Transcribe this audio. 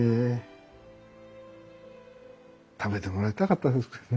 食べてもらいたかったですけどね。